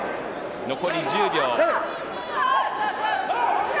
残り１０秒。